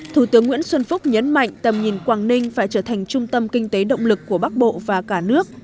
thủ tướng nguyễn xuân phúc nhấn mạnh tầm nhìn quảng ninh phải trở thành trung tâm kinh tế động lực của bắc bộ và cả nước